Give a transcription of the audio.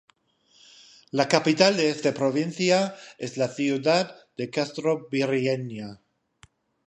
La capital de esta provincia es la ciudad de Castrovirreyna.